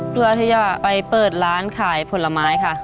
เพื่อที่จะไปเปิดร้านขายผลไม้ค่ะ